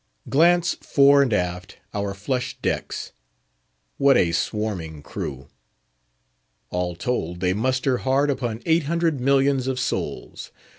Glance fore and aft our flush decks. What a swarming crew! All told, they muster hard upon eight hundred millions of souls.